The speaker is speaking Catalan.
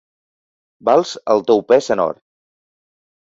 Vals el teu pes en or.